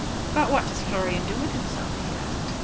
"But what does Florian do with himself?" he asked.